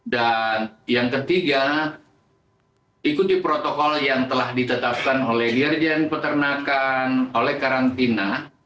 dan yang ketiga ikuti protokol yang telah ditetapkan oleh dirjen peternakan oleh karantina